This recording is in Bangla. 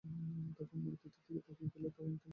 তারপর মূর্তিটির দিকে এগিয়ে গিয়ে তা ভাঙ্গতে লাগলেন।